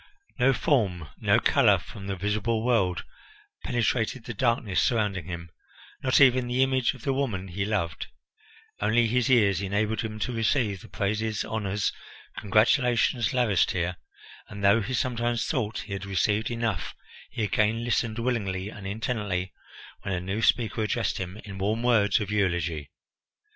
No form, no colour from the visible world, penetrated the darkness surrounding him, not even the image of the woman he loved. Only his ears enabled him to receive the praises, honours, congratulations lavished here and, though he sometimes thought he had received enough, he again listened willingly and intently when a new speaker addressed him in warm words of eulogy.